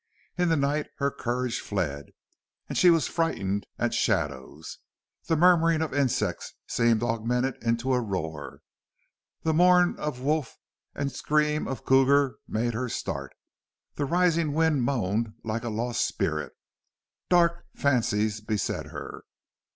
In the night her courage fled and she was frightened at shadows. The murmuring of insects seemed augmented into a roar; the mourn of wolf and scream of cougar made her start; the rising wind moaned like a lost spirit. Dark fancies beset her.